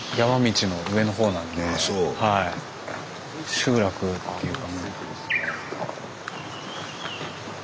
集落っていうか。